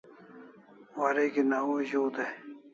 Wareg'in au zu dai